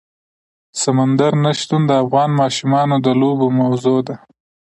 سمندر نه شتون د افغان ماشومانو د لوبو موضوع ده.